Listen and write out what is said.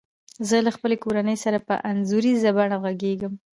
زه له خپلي کورنۍ سره په انځوریزه بڼه غږیږم.